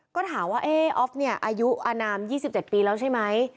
ก็ถามว่าออฟเนี่ยอายุอนาม๒๗ปีแล้วใช่ไหม